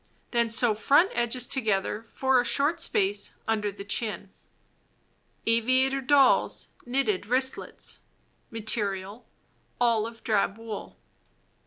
Then sew front edges together for a short space under the chin. war. Aviator Doll's Knitted Wristlets Material: Olive drab wool.